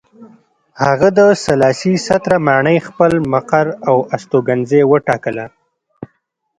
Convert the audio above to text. هغه د سلاسي ستره ماڼۍ خپل مقر او استوګنځی وټاکله.